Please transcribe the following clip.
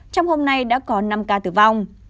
trong hôm nay đã có năm ca tử vong